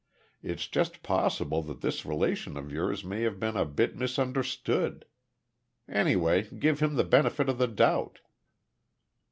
It's just possible that this relation of yours may have been a bit misunderstood. Anyway give him the benefit of the doubt."